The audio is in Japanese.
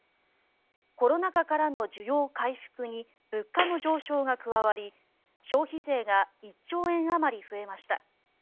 コロナ禍からの需要回復に物価の上昇が加わり消費税が１兆円あまり増えました。